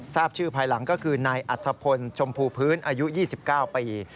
ทราบชื่อภายหลังก็คือนายอัธพลชมพูพื้นอายุ๒๙ปี